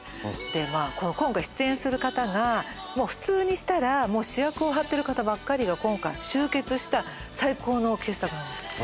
でまあ今回出演する方が普通にしたら主役を張ってる方ばっかりが今回集結した最高の傑作なんです。